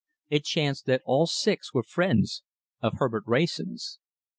It chanced that all six were friends of Herbert Wrayson's.